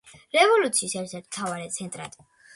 რევოლუციის ერთ-ერთ მთავარ ცენტრად.